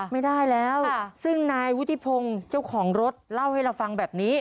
ไม่ได้แล้วซึ่งนายวุฒิพงศ์เจ้าของรถเล่าให้เราฟังแบบนี้